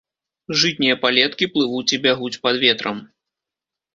Жытнія палеткі плывуць і бягуць пад ветрам.